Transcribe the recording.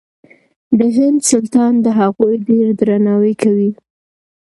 د هند سلطان د هغوی ډېر درناوی کوي.